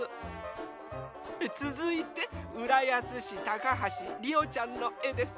つづいてうらやすしたかはしりおちゃんのえです。